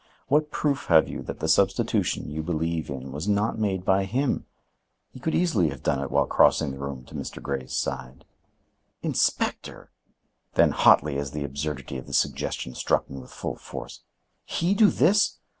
What proof have you that the substitution you believe in was not made by him? He could easily have done it while crossing the room to Mr. Grey's side." "Inspector!" Then hotly, as the absurdity of the suggestion struck me with full force: "He do this!